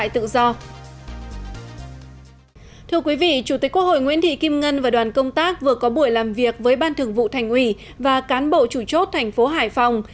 thưa quý vị chủ tịch quốc hội nguyễn thị kim ngân và đoàn công tác vừa có buổi làm việc với ban thường vụ thành ủy và cán bộ chủ chốt thành phố hải phòng